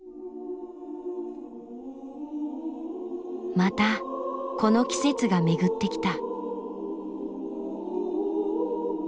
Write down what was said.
またこの季節が巡ってきた。